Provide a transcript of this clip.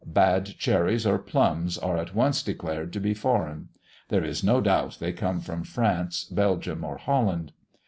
Bad cherries or plums, are at once declared to be foreign; there is no doubt they come from France, Belgium, or Holland.